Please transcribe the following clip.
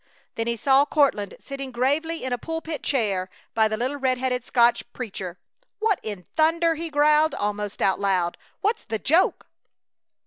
Then he saw Courtland sitting gravely in a pulpit chair by the little red headed Scotch preacher. "What in thunder!" he growled, almost out loud. "What's the joke?"